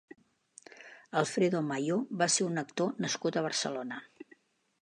Alfredo Mayo va ser un actor nascut a Barcelona.